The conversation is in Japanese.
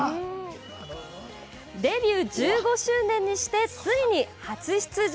デビュー１５周年にしてついに初出場